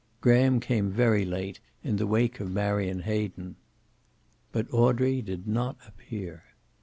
Graham came very late, in the wake of Marion Hayden. But Audrey did not appear.